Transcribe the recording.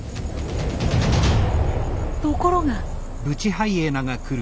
ところが。